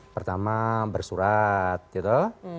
pertama bersurat gitu